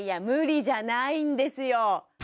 無理じゃないんですよ